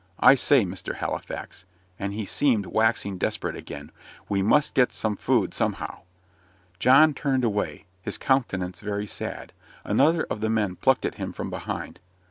I say, Mr. Halifax," and he seemed waxing desperate again, "we must get some food somehow." John turned away, his countenance very sad. Another of the men plucked at him from behind.